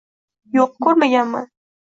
— Yo’q, ko’rmaganman…